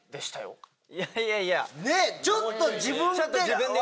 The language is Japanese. ちょっと自分で。